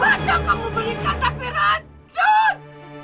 bukan obat yang kamu belikan tapi racun